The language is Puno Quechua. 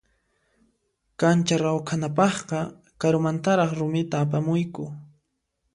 Kancha rawkhanapaqqa karumantaraq rumita apamuyku.